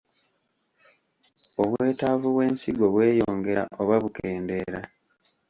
Obwetaavu bw’ensigo bweyongera oba bukendeera?